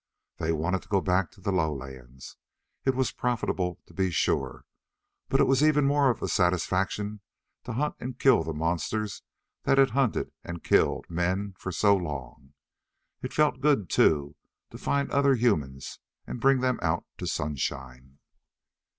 They wanted to go back to the lowlands. It was profitable, to be sure. But it was even more of a satisfaction to hunt and kill the monsters that had hunted and killed men for so long. It felt good, too, to find other humans and bring them out to sunshine.